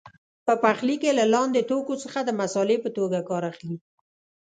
په پخلي کې له لاندې توکو څخه د مسالې په توګه کار اخلي.